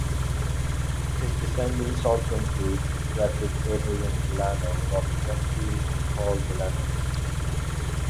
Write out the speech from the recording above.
His descendants also include Frederic Adrian Delano, Robert Redfield and Paul Delano.